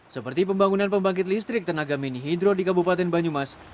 seperti pembangunan pembangkit listrik tenaga mini hidro di kabupaten banyumas